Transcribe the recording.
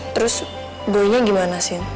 terus boynya gimana sin